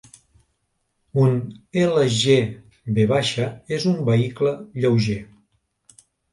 Un L-G-V és un vehicle lleuger.